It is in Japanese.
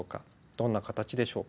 どんな形でしょうか。